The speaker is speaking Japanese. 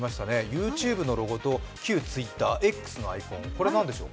ＹｏｕＴｕｂｅのロゴと旧ＴｗｉｔｔｅｒＸのアイコン、これは何でしょう？